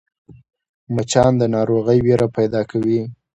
مچان د ناروغۍ وېره پیدا کوي